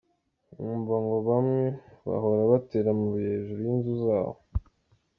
Nkumva ngo bamwe bahora batera amabuye hejuru y’inzu zabo.